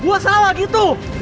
gue salah gitu